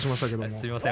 すみません。